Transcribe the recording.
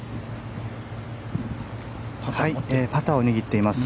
パターを握っています。